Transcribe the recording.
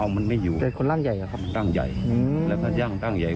เอามันไม่อยู่แต่คนร่างใหญ่อ่ะครับร่างใหญ่อืมแล้วถ้าย่างร่างใหญ่